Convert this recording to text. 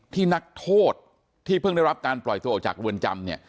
นักโทษที่เพิ่งได้รับการปล่อยตัวออกจากเรือนจำเนี่ย